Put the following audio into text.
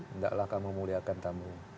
tidak akan memuliakan tamu